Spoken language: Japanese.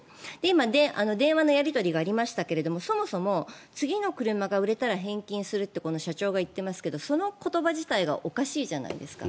今、電話のやり取りがありましたがそもそも次の車が売れたら返金するって社長が言っていますがその言葉自体がおかしいじゃないですか。